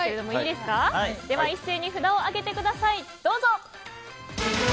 では一斉に札を上げてください。